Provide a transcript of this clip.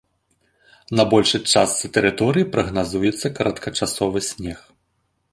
На большай частцы тэрыторыі прагназуецца кароткачасовы снег.